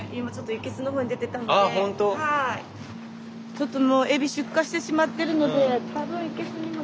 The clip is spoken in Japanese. ちょっともうエビ出荷してしまってるので多分いけすにも残って。